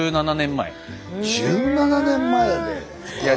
１７年前やで。